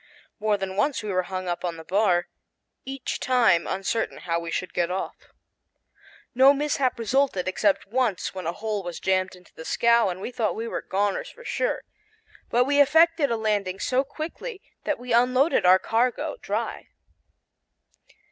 More than once we were "hung up" on the bar, each time uncertain how we should get off. No mishap resulted, except once when a hole was jammed into the scow, and we thought we were "goners" for sure; but we effected a landing so quickly that we unloaded our cargo dry.